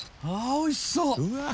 おいしそう！